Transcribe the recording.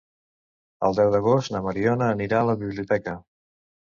El deu d'agost na Mariona anirà a la biblioteca.